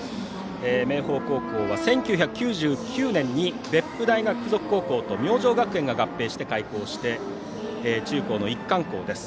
明豊高校は１９９９年に別府大学付属高校と明星学園が合併して開校した中高一貫校です。